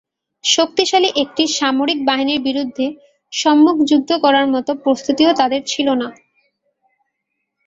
শক্তিশালী একটি সামরিক বাহিনীর বিরুদ্ধে সম্মুখযুদ্ধ করার মতো প্রস্তুতিও তাদের ছিল না।